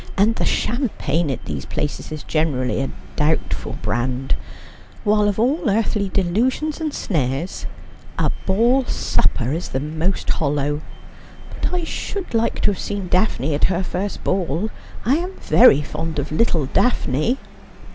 And the champagne at these places is generally a doubtful brand, while of all earthly delusions and snares a ball supper is the most hollow. But I should like to have seen Daphne at her first ball. I am very fond of little Daphne.'